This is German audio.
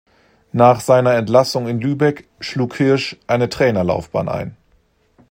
Nach seiner Entlassung in Lübeck schlug Hirsch eine Trainerlaufbahn ein.